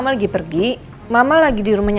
ma mama tidur di rumahnya